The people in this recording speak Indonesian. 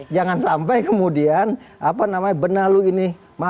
jangan sampai kemudian benalu ini